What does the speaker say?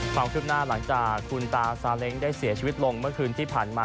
ความคืบหน้าหลังจากคุณตาซาเล้งได้เสียชีวิตลงเมื่อคืนที่ผ่านมา